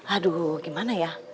aduh gimana ya